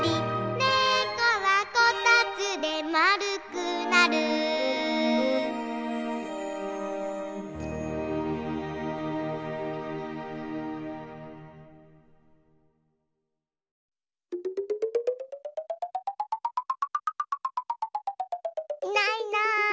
「ねこはこたつでまるくなる」いないいない。